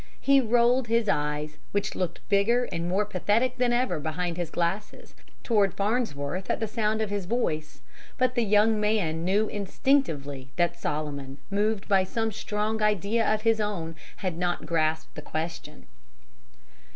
He rolled his eyes, which looked bigger and more pathetic than ever behind his glasses, toward Farnsworth at the sound of his voice, but the young man knew instinctively that Solomon, moved by some strong idea of his own, had not grasped the question.